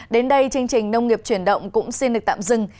đến đây chương trình nông nghiệp chuyển động cũng xin được tạm dừng